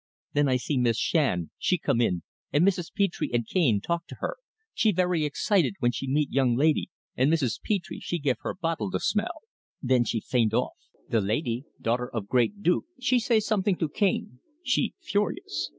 Then I see Miss Shand she come in and Mrs. Petre, and Cane talk to her. She very excited when she meet young laidee, and Mrs. Petre she give her bottle to smell. Then she faint off. The laidee, daughter of great Duke, she say something to Cane. He furious.